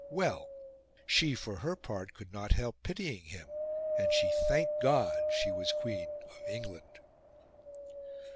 Well! She for her part could not help pitying him, and she thanked God she was Queen of England.